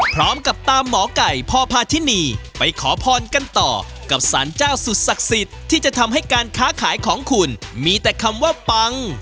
พร้อมกับตามหมอไก่พอพาทินีไปขอพรกันต่อกับสารเจ้าสุดศักดิ์สิทธิ์ที่จะทำให้การค้าขายของคุณมีแต่คำว่าปัง